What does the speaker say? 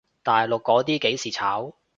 大陸嗰啲幾時炒？